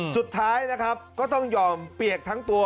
สุดท้ายนะครับก็ต้องยอมเปียกทั้งตัว